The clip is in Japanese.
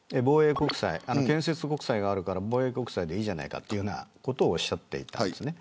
建設国債があるから防衛国際でいいんじゃないかということをおっしゃっていたんです。